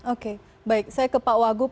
oke baik saya ke pak wagub